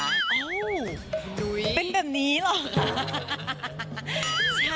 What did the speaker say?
อ้าวเป็นแบบนี้หรอกค่ะ